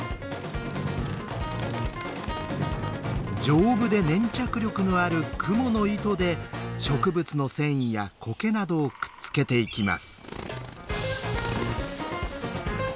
丈夫で粘着力のあるクモの糸で植物の繊維やコケなどをくっつけていきます。